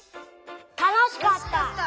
たのしかった！